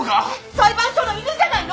裁判所の犬じゃないの！